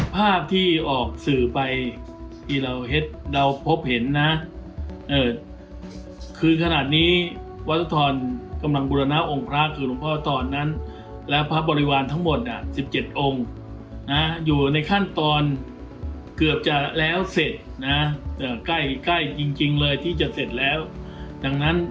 แล้วเสร็จนะเอ่อใกล้ใกล้จริงเลยที่จะเสร็จแล้วดังนั้น